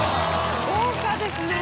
豪華ですね。